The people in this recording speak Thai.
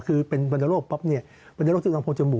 ถ้าเวลาเราคิดว่ามันเป็นมันโรคปุ๊บ